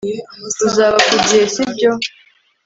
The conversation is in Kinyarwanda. Uzaba ku gihe sibyo